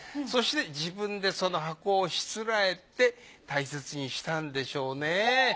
そして自分でその箱をしつらえて大切にしたんでしょうね。